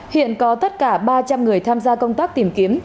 hiện có tất cả ba trăm linh người tham gia công tác tìm kiếm